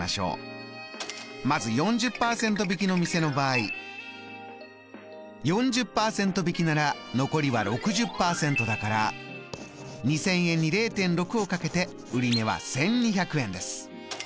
まず４０％引きの店の場合４０％引きなら残りは６０％だから２０００円に０．６を掛けて売値は１２００円です。